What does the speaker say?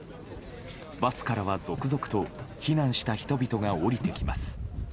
バスからは続々と避難した人々が降りてきます。